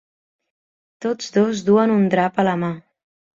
Tots dos duen un drap a la mà.